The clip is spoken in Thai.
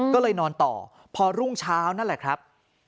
ก็เลยนอนต่อพอรุ่งเช้านั่นแหละครับ